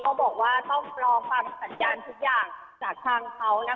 ก็บอกว่าต้องรอความสัญญาณทุกอย่างจากทางเขา